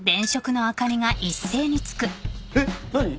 えっ何？